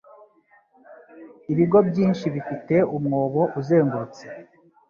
Ibigo byinshi bifite umwobo uzengurutse.